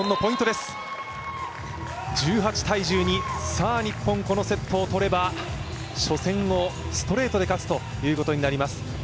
さあ日本、このセットを取れば初戦をストレートで勝つということになります。